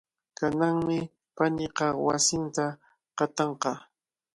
Kananmi paniiqa wasinta qatanqa.